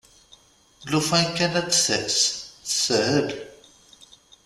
Lufan kan ad d-tas teshel!